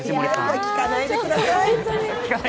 聞かないでください。